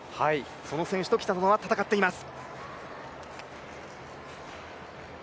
その選手と北園は戦っています。